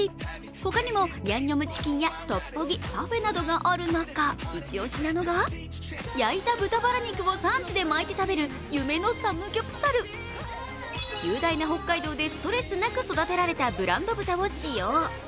他にも、ヤンニョムチキンやトッポギパフェなどがある中、一押しなのが、焼いた豚バラ肉をサンチュで巻いて食べる夢ｎｏサムギョプサル雄大な北海道でストレスなく育てられたブランド豚を使用。